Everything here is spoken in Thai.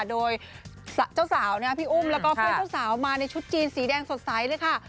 โดยเจ้าสาวพี่อุ้มแล้วก็เพื่อนเจ้าสาวมาในชุดจีนสีแดงสดใสเลยค่ะ